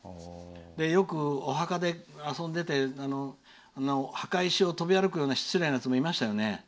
よく、お墓で遊んでて墓石を飛び歩くような失礼なやつもいましたね。